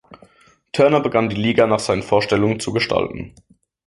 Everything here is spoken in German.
Turner begann die Liga nach seinen Vorstellungen zu gestalten.